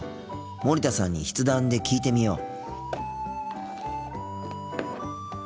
森田さんに筆談で聞いてみよう。